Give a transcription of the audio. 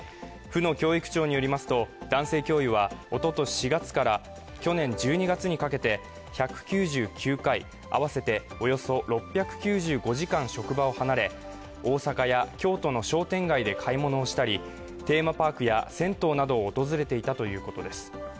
府の教育庁によりますと男性教諭はおととし４月から去年１２月にかけて合わせておよそ６９５時間職場を離れ大阪や京都の商店街で買い物をしたりテーマパークや銭湯などを訪れていたということです。